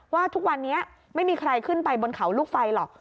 ว่าทุกวันนี้ไม่มีใครขึ้นไปบนเขาลูกไฟหรอก